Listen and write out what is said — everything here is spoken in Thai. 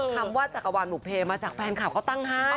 คำว่าจักรวาลบุเพมาจากแฟนคลับเขาตั้งให้